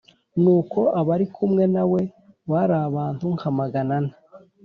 Nuko abari kumwe na we bari abantu nka magana ane.